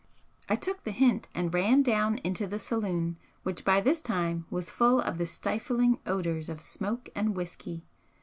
I took the hint and ran down into the saloon, which by this time was full of the stifling odours of smoke and whisky.